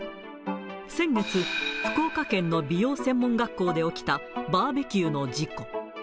先月、福岡県の美容専門学校で起きたバーベキューの事故。